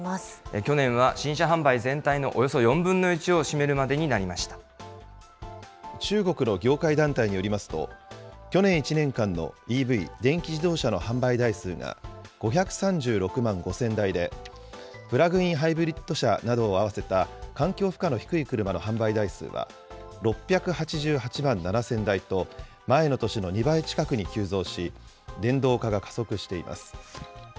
去年は新車販売全体のおよそ４分の１を占めるまでになりまし中国の業界団体によりますと、去年１年間のＥＶ・電気自動車の販売台数が５３６万５０００台で、プラグインハイブリッド車などを合わせた環境負荷の低い車の販売台数は、６８８万７０００台と前の年の２倍近くに急増し、電動化が加速しています。